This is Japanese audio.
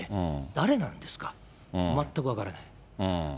誰なんですか、全く分からない。